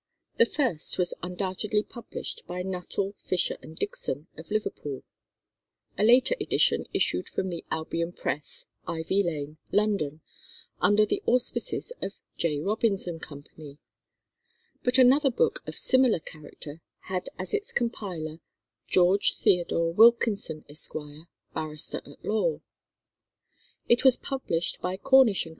The first was undoubtedly published by Nuttall, Fisher, and Dixon, of Liverpool; a later edition issued from the Albion Press, Ivy Lane, London, under the auspices of J. Robins and Co. But another book of similar character had as its compiler "George Theodore Wilkinson, Esq.," barrister at law. It was published by Cornish and Co.